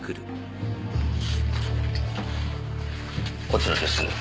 こちらです。